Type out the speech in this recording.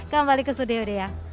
kembali ke studio deh ya